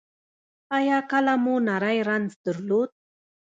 ایا کله مو نری رنځ درلود؟